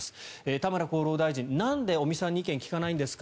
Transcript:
田村厚労大臣、なんで尾身さんに意見を聞かないんですか？